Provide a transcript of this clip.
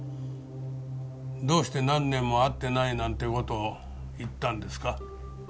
どうして何年も会ってないなんて事を言ったんですか？